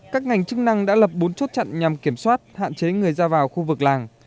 các ngành chức năng đã lập bốn chốt chặn nhằm kiểm soát hạn chế người ra vào khu vực làng